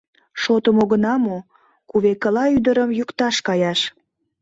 — Шотым огына му — кувекыла ӱдырым йӱкташ каяш.